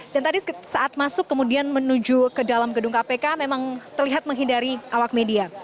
dan tadi saat masuk kemudian menuju ke dalam gedung kpk memang terlihat menghindari awak media